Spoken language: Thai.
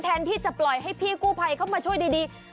แทนที่จะปล่อยให้พี่กู้ภัยเข้ามาช่วยดี